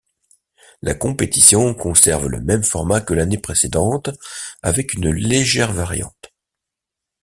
La compétition conserve le même format que l'année précédente avec une légère variante.